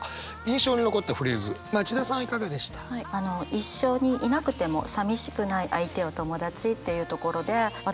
一緒にいなくてもさみしくない相手を友達っていうところで私